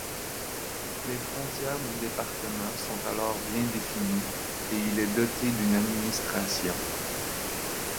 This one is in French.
Les frontières du département sont alors bien définies et il est doté d'une administration.